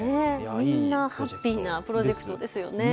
みんなハッピーなプロジェクトですよね。